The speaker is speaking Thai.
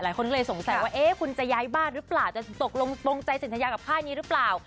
หลายคนก็เลยสงสัยว่าเอ๊ะคุณจะย้ายบ้านหรือเปล่าจะตกลงตรงใจสัญญากับค่ายนี้หรือเปล่า